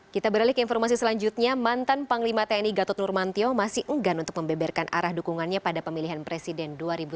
kita beralih ke informasi selanjutnya mantan panglima tni gatot nurmantio masih enggan untuk membeberkan arah dukungannya pada pemilihan presiden dua ribu sembilan belas